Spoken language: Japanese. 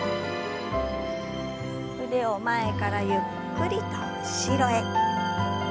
腕を前からゆっくりと後ろへ。